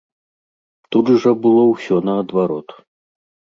Тут жа было ўсё наадварот.